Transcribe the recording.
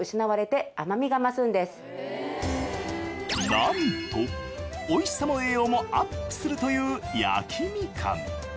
なんとおいしさも栄養もアップするという焼きミカン。